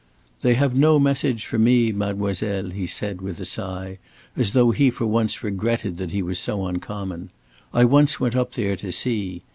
"They have no message for me, mademoiselle," he said, with a sigh, as though he for once regretted that he was so uncommon. "I once went up there to see."